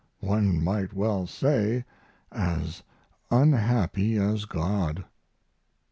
One might well say "as unhappy as God."